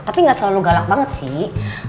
tapi gak selalu galak banget sih